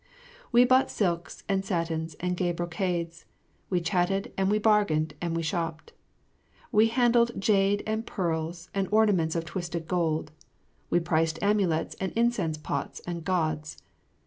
We bought silks and satins and gay brocades, we chatted and we bargained and we shopped. We handled jade and pearls and ornaments of twisted gold, and we priced amulets and incense pots and gods.